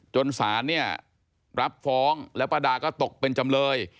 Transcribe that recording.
จนศาลเนี่ยรับฟ้องแล้วป้าดาก็ตกเป็นจำเลย